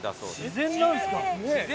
自然なんです。